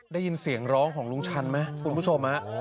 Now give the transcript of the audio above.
ได้ยินเสียงร้องของลุงชันไหมคุณผู้ชม